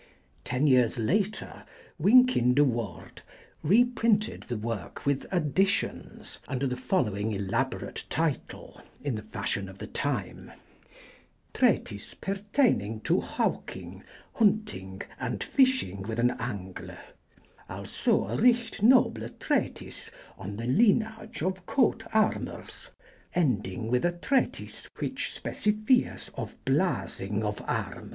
Ten years later Wynkyn de Worde reprinted the work with additions, under the following elaborate title, in the fashion of the time: 'Treatyse perteynynge to Hawkynge, Huntynge, and Fysshynge with an Angle; also a right noble Treatyse on the Lynage of Coote Armeris; ending with a Treatyse which specyfyeth of Blasyng of Armys.'